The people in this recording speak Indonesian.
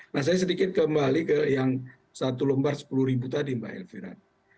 nah saya sedikit kembali ke yang satu lembar sepuluh ribu tadi mbak elvira